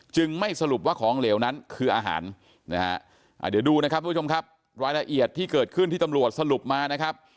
ไม่สรุปว่าของเหลวนั้นคืออาหารนะฮะเดี๋ยวดูนะครับทุกผู้ชมครับรายละเอียดที่เกิดขึ้นที่ตำรวจสรุปมานะครับ